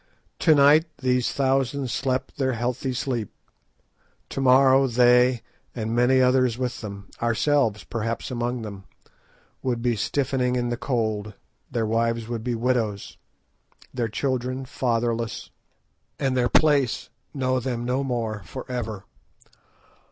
To night these thousands slept their healthy sleep, to morrow they, and many others with them, ourselves perhaps among them, would be stiffening in the cold; their wives would be widows, their children fatherless, and their place know them no more for ever.